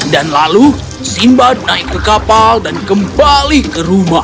dan kemudian simbad naik ke kapal dan kembali ke rumah